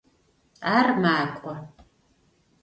Ар макӏо.